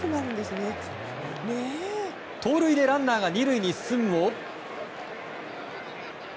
盗塁でランナーが２塁に進むも。